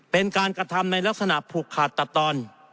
เป็นการกระทำในลักษณะผูกขาดตัดตอน